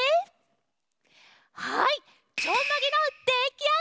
はい！